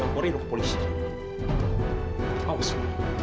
kau akan mendapatkan keajaiban grandia